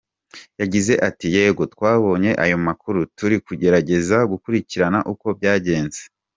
Yagize ati “Yego, twabonye ayo makuru, turi kugerageza gukurikirana uko byagenze.